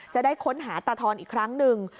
จะได้ค้นหาตาทอนอีกครั้งหนึ่ง